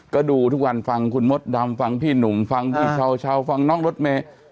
ก็ดูทุกวันฟังคุณมดดำฟังพี่หนุ่มฟังพี่เช้าฟังน้องรถเมย์